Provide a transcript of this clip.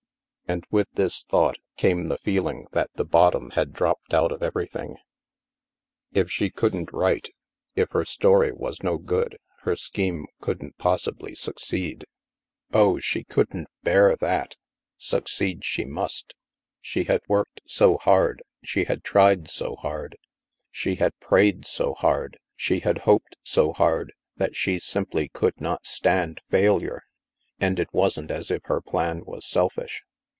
And, with this thought, came the feeling that the bottom had dropped out of ever)rthing. If she couldn't write. 276 THE MASK if her story was no good, her scheme couldn't pos sibly succa^ Oh, she couldn't bear that! Succeed she must! She had worked so hard, she had tried so hard, she had prayed so hard, she had hoped so hard, that she simply could not stand failure! And it wasn't as if her plan was selfish.